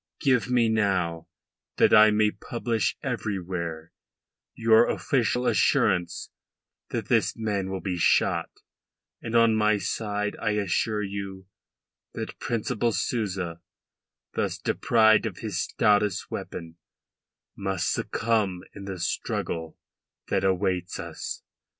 Give me now, that I may publish everywhere, your official assurance that this man will be shot, and on my side I assure you that Principal Souza, thus deprived of his stoutest weapon, must succumb in the struggle that awaits us."